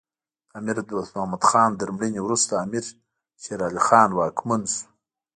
د امیر دوست محمد خان تر مړینې وروسته امیر شیر علی خان واکمن شو.